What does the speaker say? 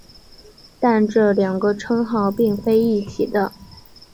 但这两个称号并非一体的。